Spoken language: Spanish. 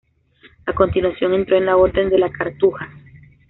A continuación, entró en la Orden de la Cartuja.